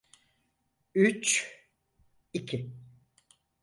Üç, iki…